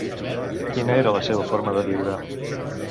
Quina era la seva forma de viure?